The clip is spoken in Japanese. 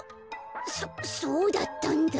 そそうだったんだ。